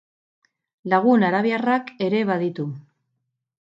Lagun arabiarrak ere baditu.